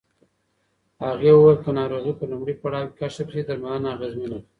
هغې وویل که ناروغي په لومړي پړاو کې کشف شي، درملنه اغېزمنه ده.